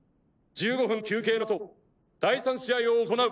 １５分の休憩のあと第三試合を行う。